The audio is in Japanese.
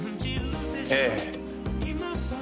ええ。